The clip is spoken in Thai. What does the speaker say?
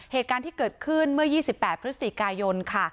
เหตุการณ์ที่เกิดขึ้นเมื่อ๒๘พกค่ะ